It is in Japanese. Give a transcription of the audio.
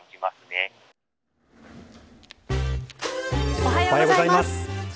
おはようございます。